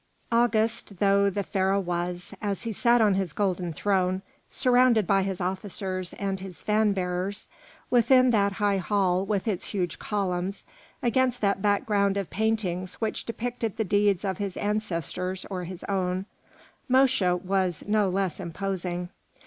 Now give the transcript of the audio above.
August though the Pharaoh was, as he sat on his golden throne, surrounded by his officers and his fan bearers, within that high hall with its huge columns, against that background of paintings which depicted the deeds of his ancestors or his own, Mosche was no less imposing.